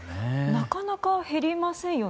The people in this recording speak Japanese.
なかなか減りませんね。